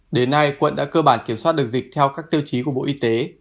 đến nay quận đã cơ bản kiểm soát được dịch theo các tiêu chí của bộ y tế